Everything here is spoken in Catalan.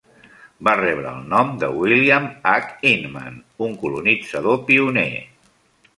Va rebre el nom de William H. Inman, un colonitzador pioner.